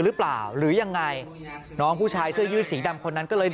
หรือเปล่าหรือยังไงน้องผู้ชายเสื้อยืดสีดำคนนั้นก็เลย